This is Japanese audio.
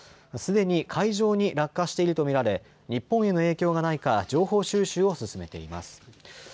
すでに海上に落下していると見られ、日本への影響がないか情報収集を進めています。